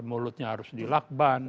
mulutnya harus dilakban